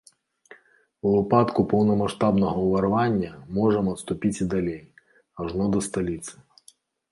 У выпадку поўнамаштабнага ўварвання можам адступіць і далей, ажно да сталіцы.